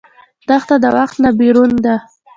دښته د وخت نه بېرون ده.